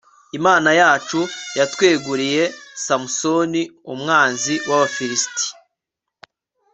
imana yacu yatweguriye samusoni, umwanzi w'abafilisiti